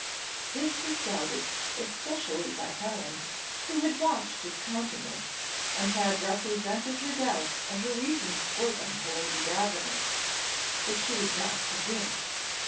This was doubted, especially by Helen, who had watched his countenance, and had represented her doubts and her reasons for them to Lady Davenant, but she was not convinced.